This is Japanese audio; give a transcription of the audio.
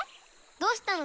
どうしたの？